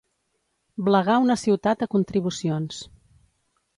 Blegar una ciutat a contribucions.